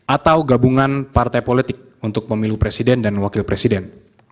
atau gabungan partai politik untuk pemilu presiden dan wakil presiden